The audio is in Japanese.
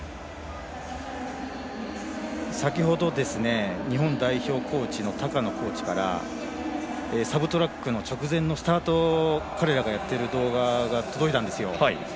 先ほど、日本代表コーチの高野コーチからサブトラックの直前のスタートを彼らがやっている動画が届いたんですよ。